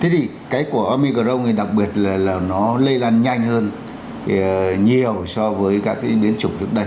thế thì cái của omicron thì đặc biệt là nó lây lan nhanh hơn nhiều so với các biến chủng trước đây